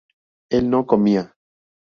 él no comía